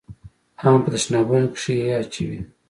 ان په تشنابونو کښې يې اچوي.